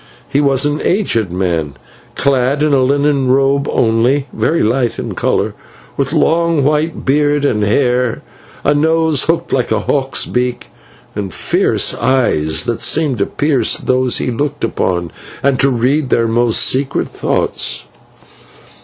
He was an aged man, clad in a linen robe only, very light in colour, with long white beard and hair, a nose hooked like a hawk's beak, and fierce eyes that seemed to pierce those he looked upon and to read their most secret thoughts.